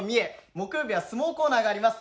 木曜日は相撲コーナーがあります。